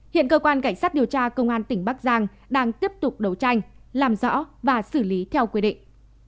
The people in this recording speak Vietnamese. hiện cơ quan cảnh sát điều tra công an tỉnh bắc giang đang tiếp tục đấu tranh làm rõ và xử lý theo quy định